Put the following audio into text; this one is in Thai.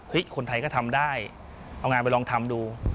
คนไทยก็ทำได้เอางานไปลองทำดู